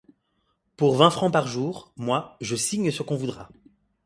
Pour vingt francs par jour, moi, je signe ce qu'on voudra.